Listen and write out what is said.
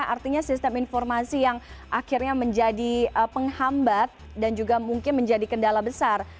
artinya sistem informasi yang akhirnya menjadi penghambat dan juga mungkin menjadi kendala besar